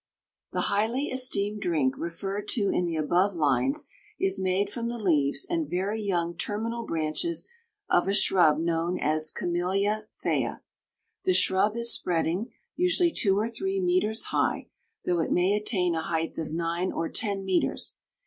The highly esteemed drink referred to in the above lines is made from the leaves and very young terminal branches of a shrub known as Camellia Thea. The shrub is spreading, usually two or three meters high, though it may attain a height of nine or ten meters.